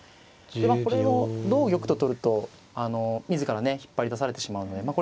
まあこれを同玉と取ると自らね引っ張り出されてしまうのでまあ